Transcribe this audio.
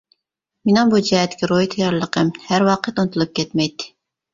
مېنىڭ بۇ جەھەتتىكى روھى تەييارلىقىم ھەر ۋاقىت ئۇنتۇلۇپ كەتمەيتتى.